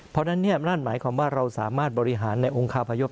เพราะฉะนั้นนั่นหมายความว่าเราสามารถบริหารในองคาพยพ